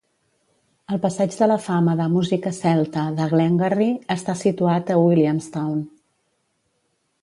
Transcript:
El passeig de la fama de música celta de Glengarry està situat a Williamstown.